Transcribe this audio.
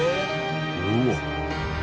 うわっ。